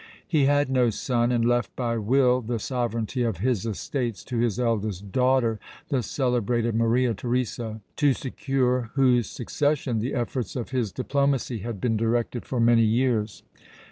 He had no son, and left by will the sovereignty of his estates to his eldest daughter, the celebrated Maria Theresa, to secure whose succession the efforts of his diplomacy had been directed for many years.